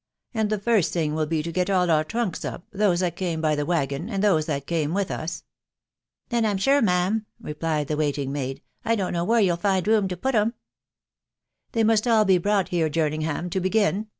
And the first thing will be to get all the trunks, up, those, that came: by the waggon, and those that came with us." " Then I'm sure;, ma'am," replied the waitingnmaid, " I don't know where you'll find room to put 'em." "They must all.be brought in. here, Jerningham, to begin?